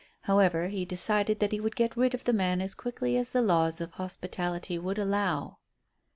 However, he decided that he would get rid of the man as quickly as the laws of hospitality would allow.